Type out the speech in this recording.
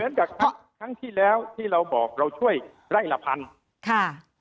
เหมือนกับทั้งที่แล้วที่เราบอกเราช่วยไล่ละพันธุ์